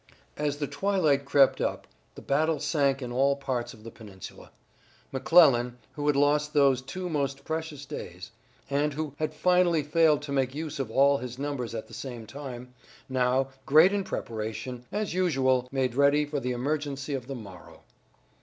As the twilight crept up the battle sank in all parts of the peninsula. McClellan, who had lost those two most precious days, and who had finally failed to make use of all his numbers at the same time, now, great in preparation, as usual, made ready for the emergency of the morrow.